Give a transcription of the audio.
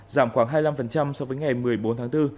giảm khoảng hai mươi năm so với ngày một mươi bốn tháng bốn